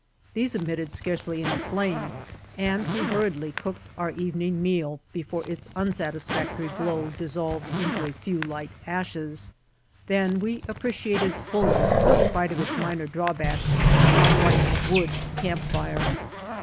These emitted scarcely any flame, and we hurriedly cooked our evening meal 18 STORM BOUND 19 before its unsatisfactory glow dissolved into a few light ashes. Then we appreciated fully, in spite of its minor drawbacks, our bright wood camp fire.